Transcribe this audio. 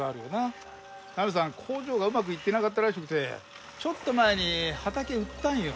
工場がうまくいってなかったらしくてちょっと前に畑売ったんよ。